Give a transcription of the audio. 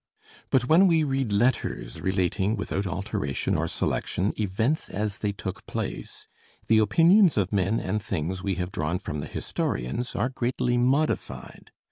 But when we read letters relating, without alteration or selection, events as they took place, the opinions of men and things we have drawn from the historians are greatly modified.